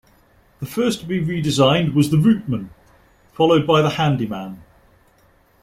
The first to be redesigned was the Routeman, followed by the Handyman.